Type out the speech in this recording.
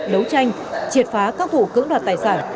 đấu tranh triệt phá các vụ cưỡng đoạt tài sản